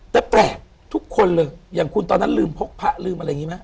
แต่แปลกทุกคนเลยอย่างคุณตอนนั้นลืมพกพระลืมอะไรอย่างนี้ไหม